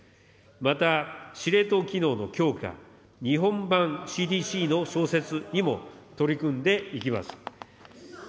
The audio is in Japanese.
また、司令塔機能の強化、日本版ＣＤＣの創設にも取り組んでいきます。